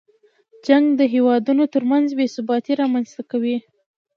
جنګ د هېوادونو تر منځ بې ثباتۍ رامنځته کوي.